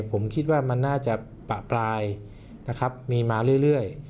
ผมคิดว่ามันน่าจะปะปลายนะครับมีมาเรื่อย